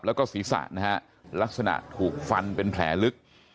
แล้วก็ศีรษะนะฮะลักษณะถูกฟันเป็นแผลลึก